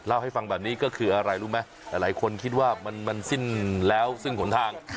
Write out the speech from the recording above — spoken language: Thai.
เล่าให้ฟังแบบนี้ก็คืออะไรรู้ไหมหลายคนคิดว่ามันสิ้นแล้วซึ่งหนทาง